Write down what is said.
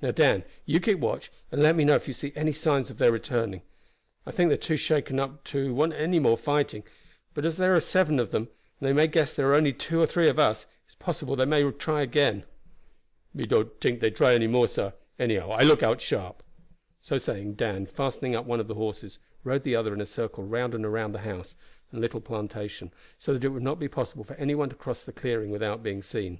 Now, Dan, you keep watch, and let me know if you see any signs of their returning. I think they are too shaken up to want any more fighting; but as there are seven of them, and they may guess there are only two or three of us, it is possible they may try again." "Me don't tink dey try any more, sah. Anyhow, I look out sharp." So saying, Dan, fastening up one of the horses, rode the other in a circle round and round the house and little plantation, so that it would not be possible for any one to cross the clearing without being seen.